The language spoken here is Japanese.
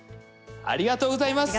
ありがとうございます。